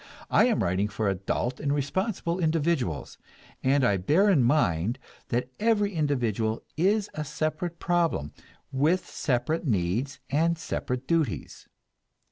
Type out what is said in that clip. I am writing for adult and responsible individuals, and I bear in mind that every individual is a separate problem, with separate needs and separate duties.